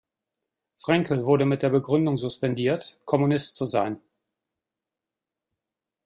Frenkel wurde mit der Begründung suspendiert, Kommunist zu sein.